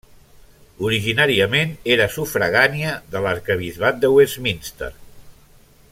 Originàriament era sufragània de l'arquebisbat de Westminster.